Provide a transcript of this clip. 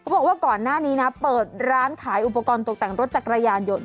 บอกว่าก่อนหน้านี้นะเปิดร้านขายอุปกรณ์ตกแต่งรถจักรยานยนต์